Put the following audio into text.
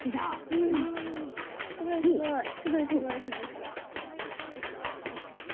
うんすごいすごいすごい。